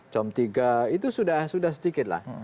com tiga itu sudah sedikit lah